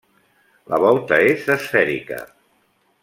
La volta és esfèrica.